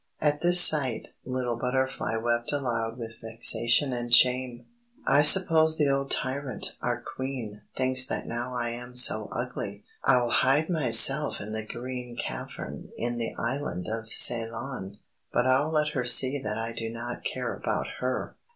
At this sight, little Butterfly wept aloud with vexation and shame. "I suppose the old tyrant, our Queen, thinks that now I am so ugly, I'll hide myself in the Green Cavern in the Island of Ceylon! But I'll let her see that I do not care about her!"